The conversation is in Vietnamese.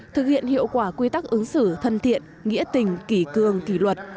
thực hiện hiệu quả quy tắc ứng xử thân thiện nghĩa tình kỷ cương kỷ luật